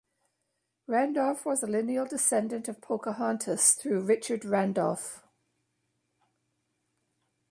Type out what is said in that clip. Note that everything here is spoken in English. Randolph was a lineal descendant of Pocahontas through Richard Randolph.